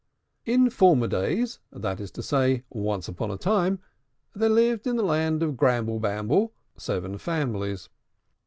In former days, that is to say, once upon a time, there lived in the Land of Gramble Blamble seven families.